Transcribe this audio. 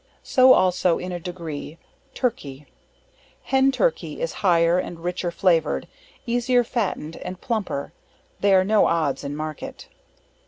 So also in a degree, Turkey. Hen Turkey, is higher and richer flavor'd, easier fattened and plumper they are no odds in market.